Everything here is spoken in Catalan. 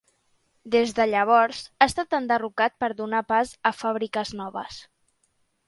Des de llavors, ha estat enderrocat per donar pas a fàbriques noves.